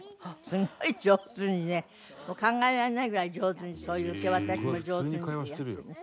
すごい上手にね考えられないぐらい上手にそういう受け渡しも上手にやって。